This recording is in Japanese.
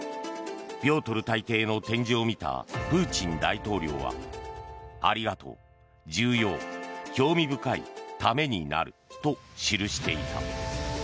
ピョートル大帝の展示を見たプーチン大統領はありがとう、重要、興味深いためになると記していた。